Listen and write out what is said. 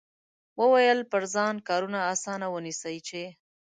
وویل پر ځان کارونه اسانه ونیسئ چې.